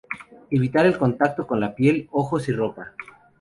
Evitar el contacto con la piel, ojos y ropa.